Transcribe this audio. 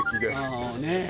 ああねえ。